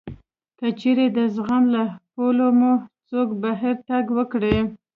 که چېرې د زغم له پولو مو څوک بهر تګ وکړي